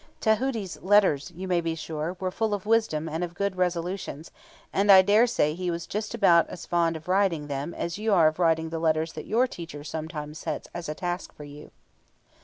Tahuti's letters, you may be sure, were full of wisdom and of good resolutions, and I dare say he was just about as fond of writing them as you are of writing the letters that your teacher sometimes sets as a task for you.